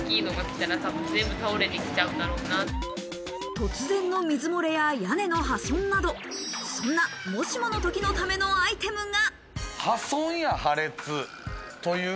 突然の水漏れや屋根の破損などそんな、もしもの時のためのアイテムが。